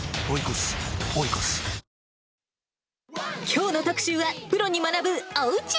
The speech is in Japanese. きょうの特集は、プロに学ぶおうち